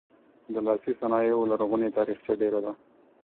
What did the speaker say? د لاسي صنایعو لرغونې تاریخچه ډیره ده.